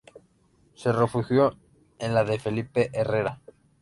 Se refugió en la de Felipe Herrera.